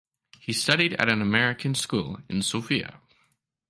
He studied at an American school in Sofia.